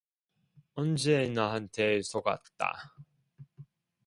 인제 나한테 속았다.